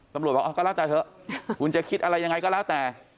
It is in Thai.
บอกก็แล้วแต่เถอะคุณจะคิดอะไรยังไงก็แล้วแต่